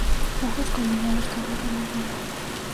Hojas caulinares que abrazan el tronco.